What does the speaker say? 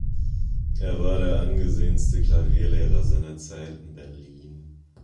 Er war der angesehenste Klavierlehrer seiner Zeit in Berlin.